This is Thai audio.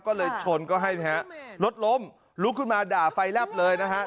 ก็เลยชนก็ให้ฮะรถล้มลุกขึ้นมาด่าไฟแลบเลยนะฮะ